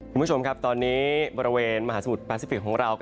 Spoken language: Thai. คุณผู้ชมครับตอนนี้บริเวณมหาสมุทรปาซิฟิกของเรา